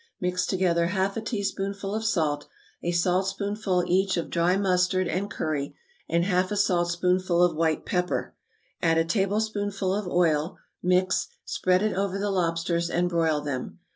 Mix together half a teaspoonful of salt, a saltspoonful each of dry mustard and curry, and half a saltspoonful of white pepper, add a tablespoonful of oil; mix, spread it over the lobsters, and broil them.